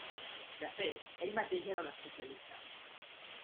De fet, ell mateix era l'especialista.